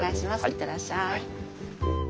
行ってらっしゃい。